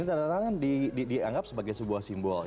ini tanda tangan dianggap sebagai sebuah simbol